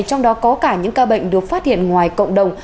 trong đó có cả những ca bệnh được phát hiện ngoài cộng đồng